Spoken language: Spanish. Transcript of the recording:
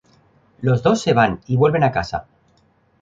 Los dos se van, y vuelven a casa.